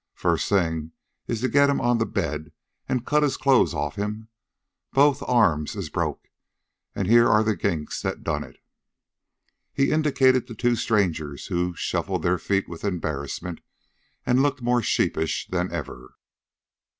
"First thing is to get him on the bed an' cut his clothes off him. Both arms is broke, and here are the ginks that done it." He indicated the two strangers, who shuffled their feet with embarrassment and looked more sheepish than ever.